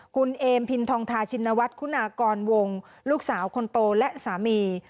คุณเอมพินทองทาชินวัฒน์คุณากรวงลูกสาวคนโตและสามี